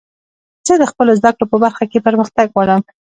زه د خپلو زدکړو په برخه کښي پرمختګ غواړم.